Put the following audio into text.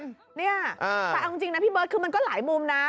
แต่เอาจริงนะพี่เบิร์ตคือมันก็หลายมุมนะ